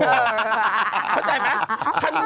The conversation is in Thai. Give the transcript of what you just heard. เข้าใจมั้ย